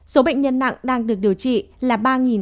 số bệnh nhân nặng đang được điều trị là ba tám trăm bốn mươi người